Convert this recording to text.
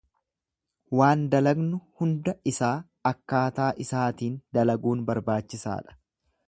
Waan dalagnu hunda isaa akkaataa isaatiin dalaguun barbaachisaadha.